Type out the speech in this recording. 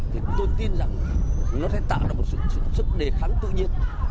thì tôi tin rằng nó sẽ tạo ra một sự sức đề kháng tự nhiên